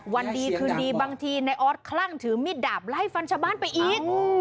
วันดีคืนดีบางทีในออสคลั่งถือมีดดาบไล่ฟันชาวบ้านไปอีก